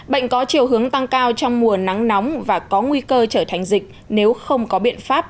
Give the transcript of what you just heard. bệnh có chiều hướng tăng cao trong mùa nắng nóng và có nguy cơ trở thành dịch nếu không có biện pháp